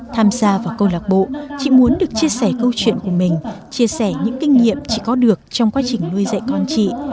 tham gia vào câu lạc bộ chị muốn được chia sẻ câu chuyện của mình chia sẻ những kinh nghiệm chị có được trong quá trình nuôi dạy con chị